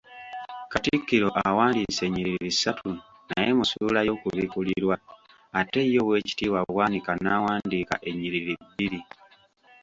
Katikkiro awandiise ennyiriri ssatu naye mu ssuula y'okubikkulirwa, ate ye Oweekitiibwa Bwanika n'awandiika ennyiriri bbiri.